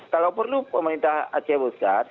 kalau perlu pemerintah aceh pusat